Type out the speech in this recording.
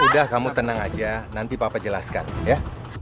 udah kamu tenang aja nanti papa jelaskan ya